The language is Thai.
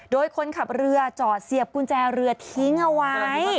โดยคนขับเรือจอดเสียบกุญแจเรือทิ้งเอาไว้